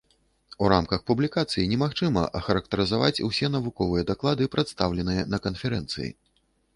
У рамках публікацыі немагчыма ахарактарызаваць усе навуковыя даклады, прадстаўленыя на канферэнцыі.